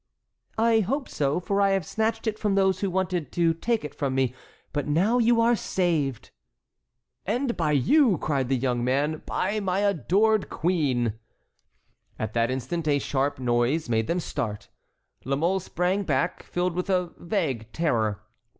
"I hope so, for I have snatched it from those who wanted to take it from me. But now you are saved." "And by you!" cried the young man; "by my adored queen!" At that instant a sharp noise made them start. La Mole sprang back, filled with a vague terror.